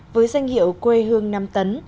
với danh hiệu quê hương năm tấn